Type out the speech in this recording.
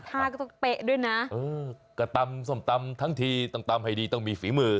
ก็ต้องเป๊ะด้วยนะเออก็ตำส้มตำทั้งทีต้องตำให้ดีต้องมีฝีมือ